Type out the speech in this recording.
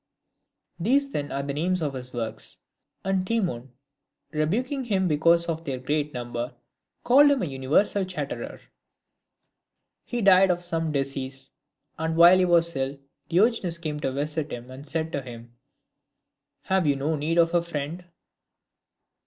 These then are the names of his works. And Timon, rebuking him because of their great number, called him a universal chatterer. X. He died of some disease ; and while he was ill Diogenes came to visit him, and said to him, "Have you no need of a friend